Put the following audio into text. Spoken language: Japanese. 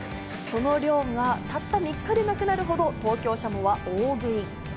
その量がたった３日でなくなるほど、東京しゃもは大食い。